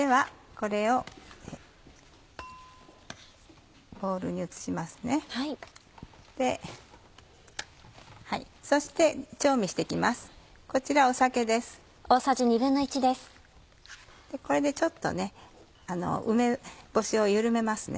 これでちょっとね梅干しを緩めますね。